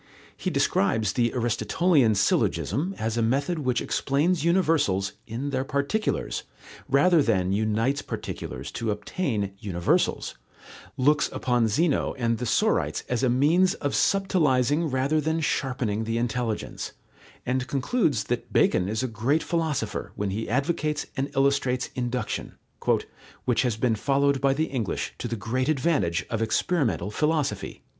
He describes the Aristotelian syllogism as a method which explains universals In their particulars, rather than unites particulars to obtain universals, looks upon Zeno and the sorites as a means of subtilizing rather than sharpening the intelligence, and concludes that Bacon is a great philosopher, when he advocates and illustrates induction, "which has been followed by the English to the great advantage of experimental philosophy."